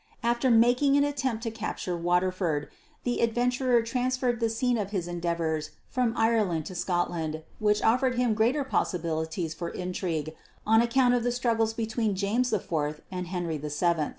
After making an attempt to capture Waterford, the adventurer transferred the scene of his endeavours from Ireland to Scotland which offered him greater possibilities for intrigue on account of the struggles between James IV and Henry VII.